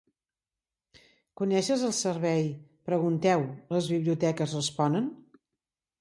Coneixes el servei "Pregunteu, les biblioteques responen"?